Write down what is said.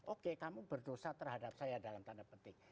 oke kamu berdosa terhadap saya dalam tanda petik